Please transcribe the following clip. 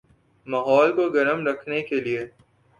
ماحول کو گرم رکھنے کے لئے